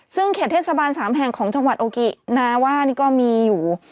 ซึ่งเขตเทศบาล๓แห่งของจังหวัดโอกินาว่านี่ก็มีอยู่